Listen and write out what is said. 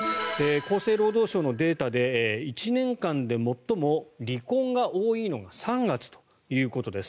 厚生労働省のデータで１年間で最も離婚が多いのが３月ということです。